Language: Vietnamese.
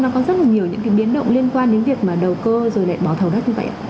nó có rất là nhiều những cái biến động liên quan đến việc mà đầu cơ rồi lại bỏ thầu đất như vậy ạ